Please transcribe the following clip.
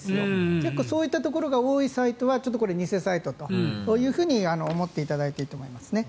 結構そういったところが多いサイトはちょっと偽サイトというふうに思っていただいていいと思います。